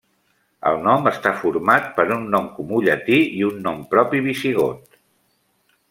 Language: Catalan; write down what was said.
El nom està format per un nom comú llatí i un nom propi visigot.